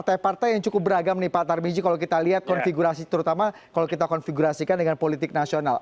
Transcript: partai partai yang cukup beragam nih pak tarmizi kalau kita lihat konfigurasi terutama kalau kita konfigurasikan dengan politik nasional